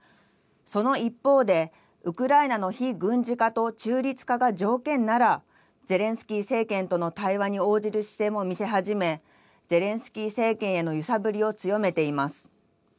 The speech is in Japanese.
その一方で、ウクライナの非軍事化と中立化が条件なら、ゼレンスキー政権との対話に応じる姿勢も見せ始め、ゼレンスキー政権への揺さぶりを強めています。